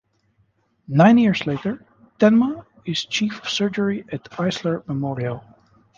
Nine years later, Tenma is Chief of Surgery at Eisler Memorial.